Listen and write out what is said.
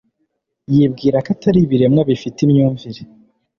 Yibwira ko atari ibiremwa bifite imyumvire